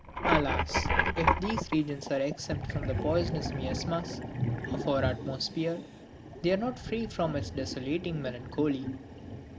Alas! if these regions are exempt from the poisonous miasmas of our atmosphere, they are not free from its desolating melancholy!